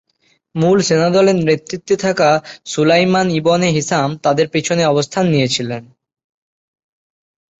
মূল সেনাদলের নেতৃত্বে থাকা সুলাইমান ইবনে হিশাম তাদের পেছনে অবস্থান নিয়েছিলেন।